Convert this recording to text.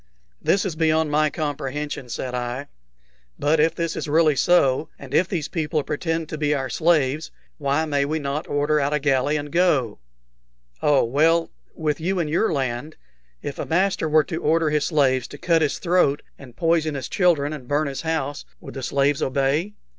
"This is beyond my comprehension," said I. "But if this is really so, and if these people pretend to be our slaves, why may we not order out a galley and go?" "Oh, well, with you in your land, if a master were to order his slaves to cut his throat and poison his children and burn his house, would the slaves obey?"